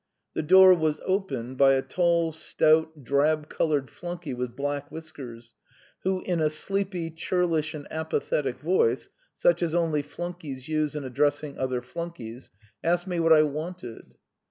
The door was opened by a tall, stout, drab coloured flunkey with black whiskers, who in a sleepy, churlish, and apathetic voice, such as only flunkeys use in addressing other flunkeys, asked me what I wanted.